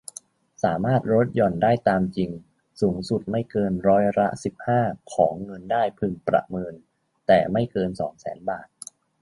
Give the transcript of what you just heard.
สามารถลดหย่อนได้ตามจริง สูงสุดไม่เกินร้อยละ สิบห้า ของเงินได้พึงประเมิน แต่ไม่เกิน สองแสน บาท